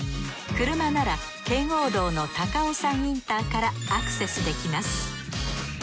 車なら圏央道の高尾山インターからアクセスできます